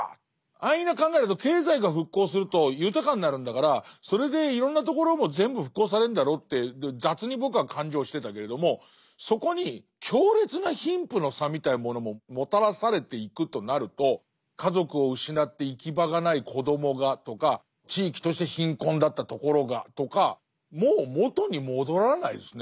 安易な考えだと経済が復興すると豊かになるんだからそれでいろんなところも全部復興されんだろって雑に僕は勘定してたけれどもそこに強烈な貧富の差みたいなものももたらされていくとなると家族を失って行き場がない子どもがとか地域として貧困だったところがとかもう元に戻らないですね